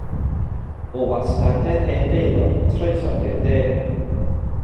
O wastadedd hen Faelor, troesom i'r de.